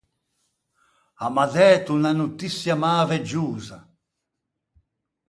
A m’à dæto unna notiçia mäveggiosa.